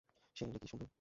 সে, Ricky সন্ধু।